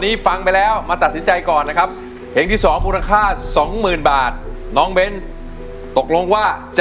น้องเบนตกลงว่าจะสู้หรือจะหยุดครับ